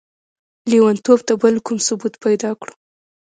ليونتوب ته به بل کوم ثبوت پيدا کړو؟!